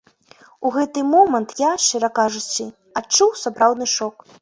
У гэты момант я, шчыра кажучы, адчуў сапраўдны шок.